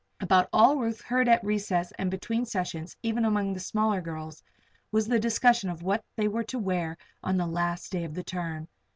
About all Ruth heard at recess and between sessions, even among the smaller girls, was the discussion of what they were to wear on the last day of the term.